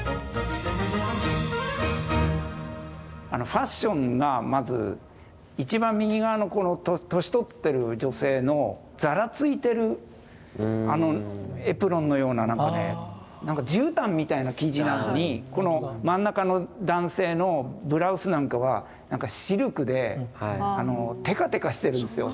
ファッションがまず一番右側の年取ってる女性のざらついてるあのエプロンのようななんかじゅうたんみたいな生地なのにこの真ん中の男性のブラウスなんかはなんかシルクでテカテカしてるんですよ。